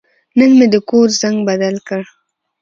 نن مې د کور زنګ بدل کړ.